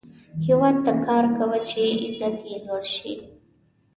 هیواد ته کار کوه، چې عزت یې لوړ شي